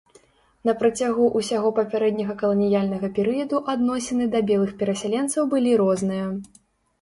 На працягу ўсяго папярэдняга каланіяльнага перыяду адносіны да белых перасяленцаў былі розныя.